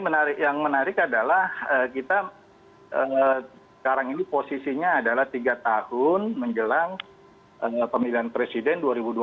menarik yang menarik adalah kita sekarang ini posisinya adalah tiga tahun menjelang pemilihan presiden dua ribu dua puluh